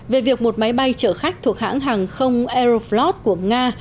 về việc một máy bay chở khách thuộc hãng hàng không aeroflot của nga